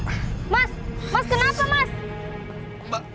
mas kenapa mas